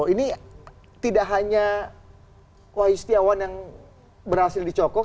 ini tidak hanya wahyu setiawan yang berhasil dicokok